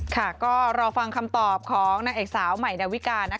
ค่ะก็รอฟังคำตอบของนางเอกสาวใหม่ดาวิกา